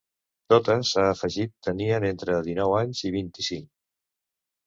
Totes, ha afegit, tenien entre dinou anys i vint-i-cinc.